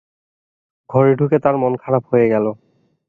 ঘরে ঢুকে তাঁর মন খারাপ হয়ে গেল।